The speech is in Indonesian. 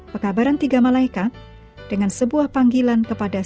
pekabaran tiga malaikat dengan sebuah panggilan kepada